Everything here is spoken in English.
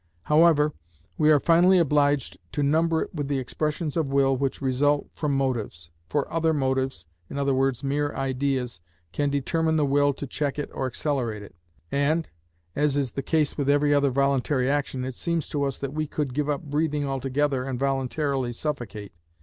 However, we are finally obliged to number it with the expressions of will which result from motives. For other motives, i.e., mere ideas, can determine the will to check it or accelerate it, and, as is the case with every other voluntary action, it seems to us that we could give up breathing altogether and voluntarily suffocate.